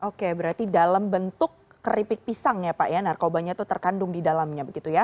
oke berarti dalam bentuk keripik pisang ya pak ya narkobanya itu terkandung di dalamnya begitu ya